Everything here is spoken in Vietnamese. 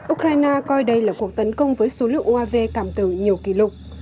ukraine coi đây là cuộc tấn công với số lượng uav cảm tử nhiều kỷ lục